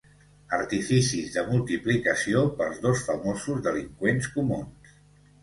Artificis de multiplicació pels dos famosos delinqüents comuns.